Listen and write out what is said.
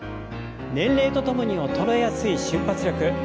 年齢とともに衰えやすい瞬発力。